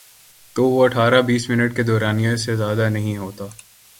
تو وہ اٹھارہ بیس منٹ کے دورانیے سے زیادہ نہیں ہوتا۔